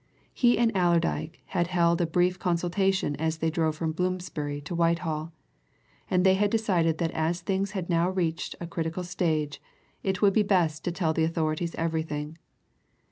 He and Allerdyke had held a brief consultation as they drove from Bloomsbury to Whitehall, and they had decided that as things had now reached a critical stage it would be best to tell the authorities everything.